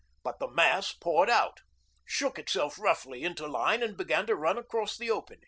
But the mass poured out, shook itself roughly into line, and began to run across the open.